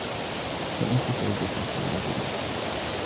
هل أنتِ سعيدة في منزلك؟